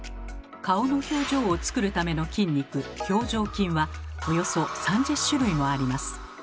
顔の表情を作るための筋肉「表情筋」はおよそ３０種類もあります。